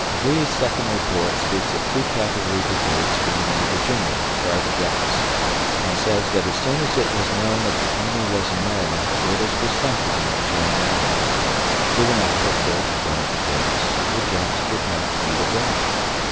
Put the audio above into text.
Lee's second report speaks of two cavalry brigades being in Virginia to guard the Gaps, and says that as soon as it was known that the enemy was in Maryland, orders were sent them to join the army. They were not put there to guard the Gaps, for the Gaps did not need a guard.